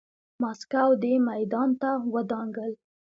ماسکو دې میدان ته ودانګل.